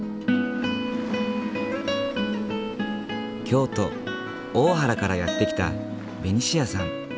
京都・大原からやって来たベニシアさん。